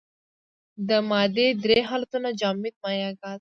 د مادې درې حالتونه جامد مايع ګاز.